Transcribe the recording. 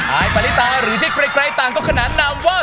อายปริตาหรือที่ไกลต่างก็ขนานนามว่า